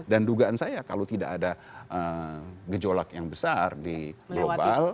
dan dugaan saya kalau tidak ada gejolak yang besar di global